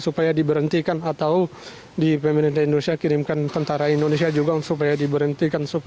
supaya diberhentikan atau di pemerintah indonesia kirimkan tentara indonesia juga supaya diberhentikan